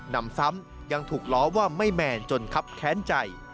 นำซ้ำยังถูกล้อว่าไม่แมนจนครับแค้นใจ